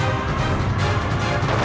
aku akan menang